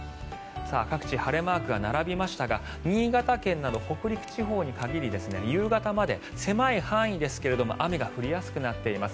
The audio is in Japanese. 各地晴れマークが並びましたが新潟県など北陸地方に限り夕方まで狭い範囲ですが雨が降りやすくなっています。